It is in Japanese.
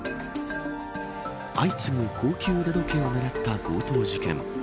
相次ぐ高級腕時計を狙った強盗事件。